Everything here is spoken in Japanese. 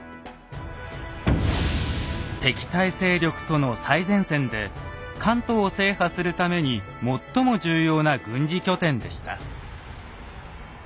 敵対勢力との最前線で関東を制覇するために最も重要な軍事拠点でした。